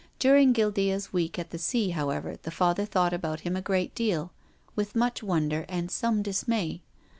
During Guildea's week at the sea, how ever, the Father though about him a great deal, with much wonder and some dismay.